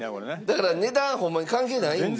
だから値段ホンマに関係ないんですね。